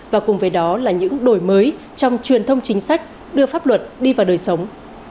và cùng với đó là những đổi mới trong truyền thông chính sách đưa pháp luật đi vào đời sống